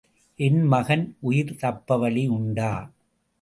என் மகன் உயிர் தப்ப வழி உண்டா?